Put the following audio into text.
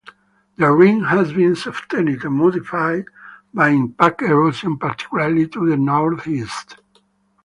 The rim has been softened and modified by impact erosion, particularly to the northeast.